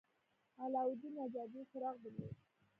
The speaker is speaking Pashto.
علاوالدين يو جادويي څراغ درلود.